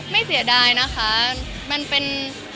เสียดายนะคะมันเป็น